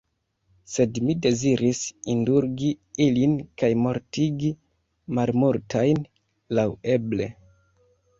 Sed mi deziris indulgi ilin, kaj mortigi malmultajn laŭeble.